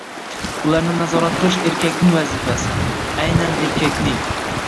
ularni nazorat qilish erkakning vazifasi, aynan erkakning.